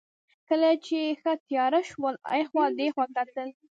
کله چې ښه تېاره شول، اخوا دېخوا کتل.